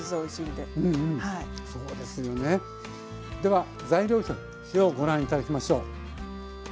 では材料表ご覧頂きましょう。